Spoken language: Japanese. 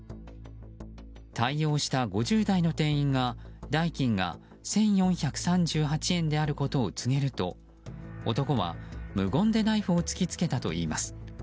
対応した５０代の店員が代金が１４３８円であることを告げると男は無言でナイフを突きつけたといいます。